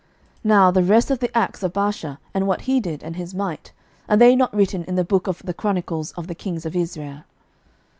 11:016:005 Now the rest of the acts of Baasha, and what he did, and his might, are they not written in the book of the chronicles of the kings of Israel?